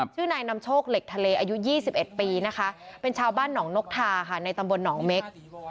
ชื่อนายนำโชคเหล็กทะเลอายุ๒๑ปีนะคะเป็นชาวบ้านหนองนกทาค่ะในตำบลหนองเม็ก